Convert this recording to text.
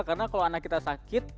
karena kalau anak kita sakit